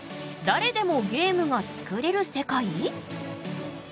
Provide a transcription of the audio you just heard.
「だれでもゲームが作れる世界」？